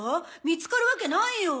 見つかるわけないよ。